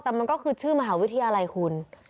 แต่มันก็คือชื่อมหาวิทยาลัยคุณ